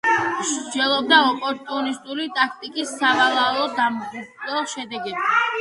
მსჯელობდა ოპორტუნისტული ტაქტიკის სავალალო, დამღუპველ შედეგებზე.